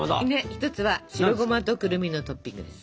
１つは白ゴマとくるみのトッピングです。